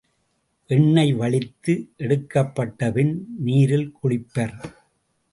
எண்ணய் வழித்து எடுக்கப்பட்டபின் நீரில் குளிப்பர்.